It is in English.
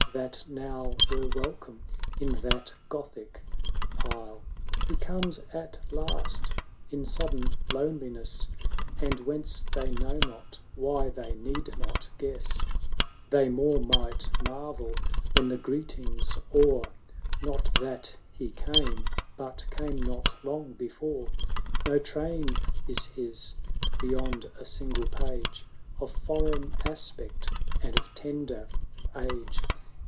That now were welcome in that Gothic pile. IV. He comes at last in sudden loneliness, And whence they know not, why they need not guess; They more might marvel, when the greeting's o'er Not that he came, but came not long before : No train is his beyond a single page. Of foreign aspect, and of tender age.